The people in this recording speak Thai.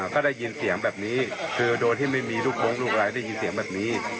ก็ได้ยินเสียงแบบนี้คือโดยที่ไม่มีลูกมงลูกอะไรได้ยินเสียงแบบนี้